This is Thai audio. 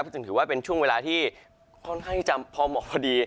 จึงถือว่าเป็นช่วงเวลาที่ค่อนข้างที่จะพอเหมาะพอดี